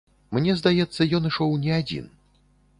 Мне здаецца, ён ішоў не адзін.